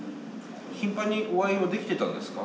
頻繁にお会いはできてたんですか？